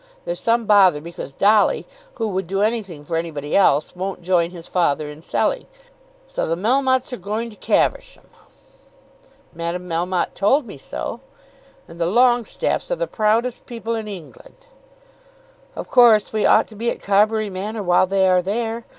There's some bother because Dolly, who would do anything for anybody else, won't join his father in selling. So the Melmottes are going to Caversham!" "Madame Melmotte told me so." "And the Longestaffes are the proudest people in England." "Of course we ought to be at Carbury Manor while they are there.